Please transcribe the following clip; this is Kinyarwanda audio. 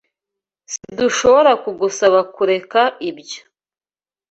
Sidushobora kugusaba kureka ibyo.